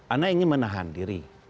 anak ingin menahan diri